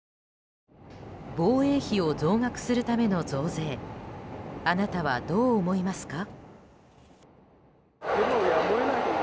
防衛費を増額するための増税あなたはどう思いますか？